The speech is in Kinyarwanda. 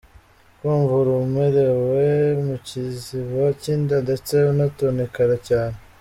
Kumva uremerewe mu kiziba cy’inda ndetse unatonekara cyane.